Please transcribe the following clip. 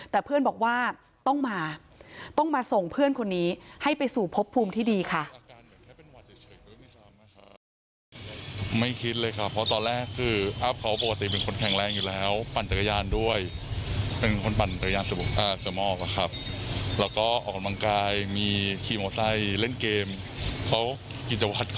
แต่เพื่อนบอกว่าต้องมาต้องมาส่งเพื่อนคนนี้ให้ไปสู่พบภูมิที่ดีค่ะ